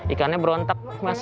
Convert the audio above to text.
ikannya berontak mas